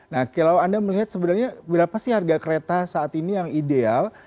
nah kalau anda melihat sebenarnya berapa sih harga kereta saat ini yang ideal